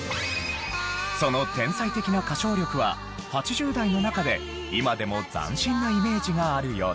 その天才的な歌唱力は８０代の中で今でも斬新なイメージがあるようです。